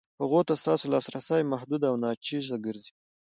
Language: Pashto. هغو ته ستاسو لاسرسی محدود او ناچیز ګرځي.